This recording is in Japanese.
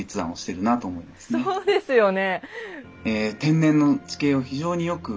そうですよね。